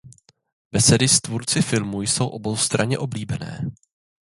Besedy s tvůrci filmů jsou oboustranně oblíbené.